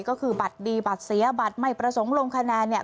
ก็คือบัตรดีบัตรเสียบัตรไม่ประสงค์ลงคะแนนเนี่ย